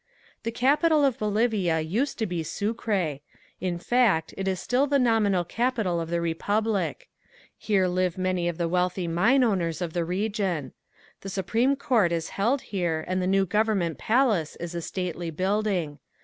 The capital of Bolivia used to be Sucre. In fact, it is still the nominal capital of the republic. Here live many of the wealthy mine owners of the region. The Supreme Court is held here and the new government palace is a stately building.